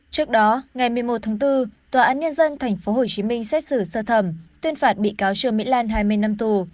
trước đó ngày một mươi một tháng bốn tòa án nhân dân tp hcm xét xử sơ thẩm tuyên phạt bị cáo trương mỹ lan hai mươi năm tù